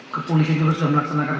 kepolisian juga sudah melaksanakan